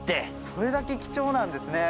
それだけ貴重なんですね。